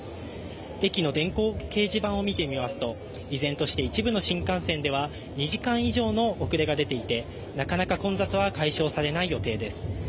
駅の電光掲示板を見てみますと、依然として一部の新幹線では２時間以上の遅れが出ていてなかなか混雑は解消されない予定です。